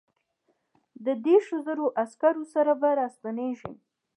د دیرشو زرو عسکرو سره به را ستنېږي.